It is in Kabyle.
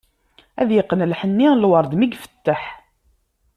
Ad yeqqen lḥenni, lwerd mi ifetteḥ.